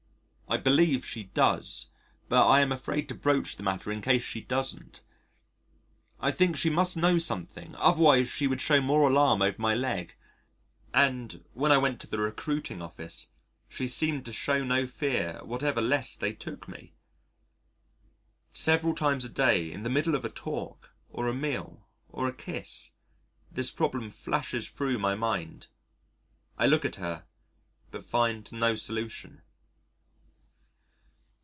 I believe she does but I am afraid to broach the matter in case she doesn't. I think she must know something otherwise she would show more alarm over my leg, and when I went to the Recruiting Office she seemed to show no fear whatever lest they took me. Several times a day in the middle of a talk, or a meal, or a kiss, this problem flashes thro' my mind. I look at her but find no solution.